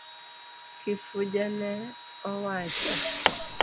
Kifuja ne owacho.